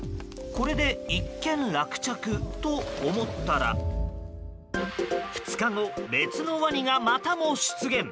これで一件落着と思ったら２日後、別のワニがまたも出現。